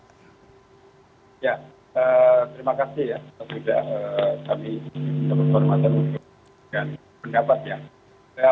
terima kasih ya pak budha kami berkorban untuk pendapatnya